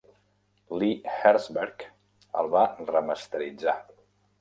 Lee Herschberg el va remasteritzar.